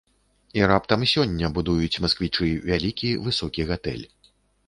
І раптам, сёння, будуюць масквічы вялікі высокі гатэль.